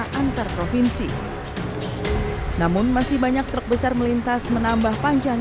antar provinsi namun masih banyak truk besar melintas menambah panjang